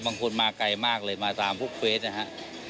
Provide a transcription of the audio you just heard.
บางคนมาไกลมากเลยมาตามพวกเฟสนะฮะ